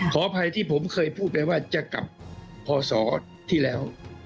ขออภัยที่ผมเคยพูดไปว่าจะกลับพศที่แล้ว